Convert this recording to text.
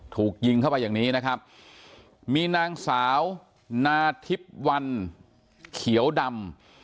ถูกยิงเข้าไปอย่างนี้นะครับมีนางสาวนาทิพย์วันเขียวดำ